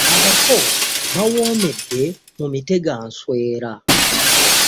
Abako bawomedde mu mitege nswera.